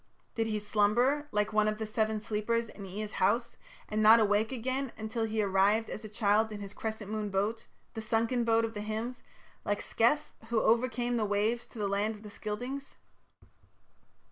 Did he slumber, like one of the Seven Sleepers, in Ea's house, and not awake again until he arrived as a child in his crescent moon boat "the sunken boat" of the hymns like Scef, who came over the waves to the land of the Scyldings?